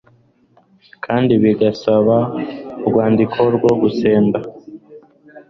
kandi bigasaba urwandiko rwo gusenda